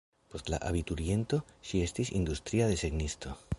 Post la abituriento ŝi estis industria desegnisto.